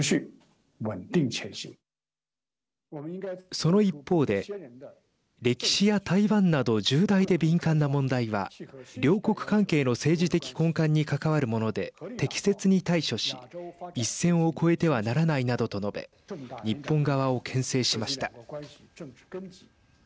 その一方で歴史や台湾など重大で敏感な問題は両国関係の政治的根幹に関わるもので適切に対処し一線を越えてはならないなどと述べ日本側をけん制しました。